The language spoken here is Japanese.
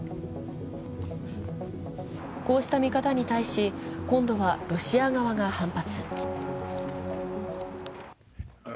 こうした見方に対し、今度はロシア側が反発。